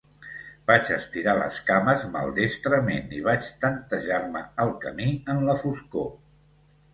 Vaig estirar les cames maldestrament i vaig tantejar-me el camí en la foscor.